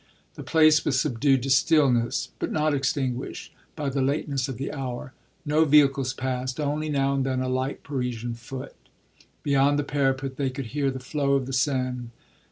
The place was subdued to stillness, but not extinguished, by the lateness of the hour; no vehicles passed, only now and then a light Parisian foot. Beyond the parapet they could hear the flow of the Seine.